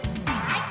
はい。